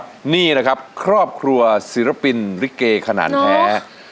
แน่นี้ครอบครัวศิลปินริเกขนาดแท้